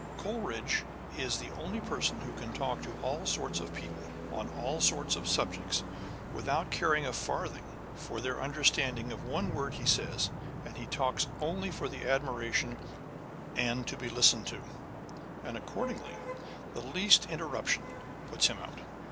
Coleridge is the only person who can talk to all sorts of people, on all sorts of subjects, without caring a farthing for their understanding one word he says â€" and he talks only for admiration and to be listened to, and accordingly the least interruption puts him out.